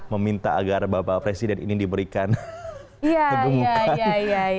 meminta agar bapak presiden ini diberikan kegemukan